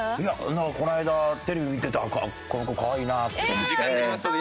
なんかこの間テレビ見てたらこの子可愛いなって。